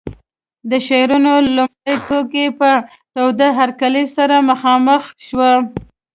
د شعرونو لومړنۍ ټولګه یې په تود هرکلي سره مخامخ شوه.